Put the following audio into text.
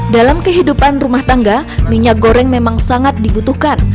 dalam kehidupan rumah tangga minyak goreng memang sangat dibutuhkan